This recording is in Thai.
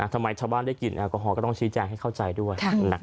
ทำไมชาวบ้านได้กินอากาศก็ต้องชี้แจงให้เข้าใจด้วย